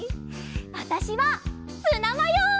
わたしはツナマヨ！